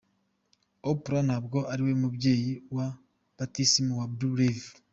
Oprah ntabwo ariwe mubyeyi wa batisimu wa Blue Ivy.